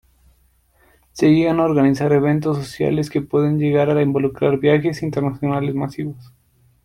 Se llegan a organizar eventos sociales que pueden llegar a involucrar viajes internacionales masivos.